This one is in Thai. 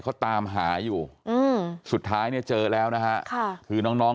เขาตามหาอยู่อืมสุดท้ายเนี่ยเจอแล้วนะฮะค่ะคือน้องน้อง